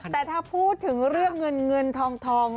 แต่ถ้าพูดถึงเรื่องเงินเงินทอง